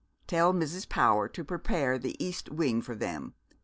Tell Mrs. Power to prepare the east wing for them.